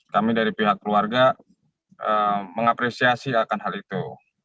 kami dari pihak keluarga mengapresiasi akan hal itu